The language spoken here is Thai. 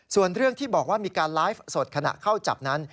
ส่วนเรื่องที่บอกว่ามีการไลฟ์สดขณะเข้าจับนั้น